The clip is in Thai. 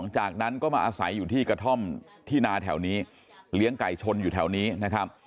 จากนั้นก็มาอาศัยอยู่ที่กระท่อมที่นาแถวนี้เลี้ยงไก่ชนอยู่แถวนี้นะครับ